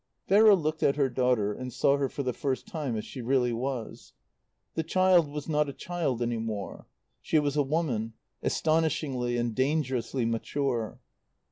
Vera looked at her daughter and saw her for the first time as she really was. The child was not a child any more. She was a woman, astonishingly and dangerously mature.